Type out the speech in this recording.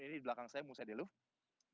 ini di belakang saya musee de louvre